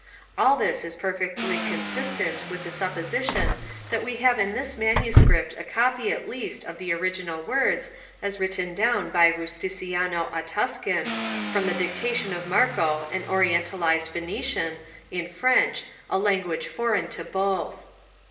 * All this is perfectly consistent with the supposition that we have in this MS. a copy at least of the original words as written down by Rusticiano a Tuscan, from the dictation of Marco an Orientalized Venetian, in French, a language foreign to both.